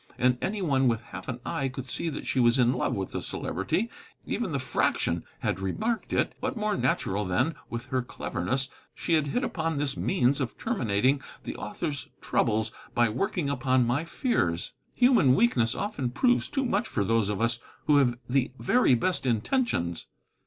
And any one with half an eye could see that she was in love with the Celebrity; even the Fraction had remarked it. What more natural than, with her cleverness, she had hit upon this means of terminating the author's troubles by working upon my fears? Human weakness often proves too much for those of us who have the very best intentions.